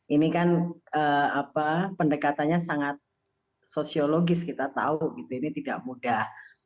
ini kan pendekatannya sangat sosiologis kita tahu gitu ini tidak mudah